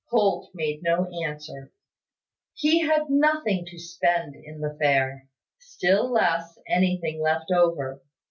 Holt made no answer. He had nothing to spend in the fair; still less, anything left over.